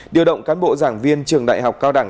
điều động cán bộ giảng viên trường đại học cao đẳng